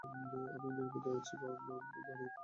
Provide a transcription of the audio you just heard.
আমি নিরাপদে আছি- ভানাতি, কোথায় তুমি?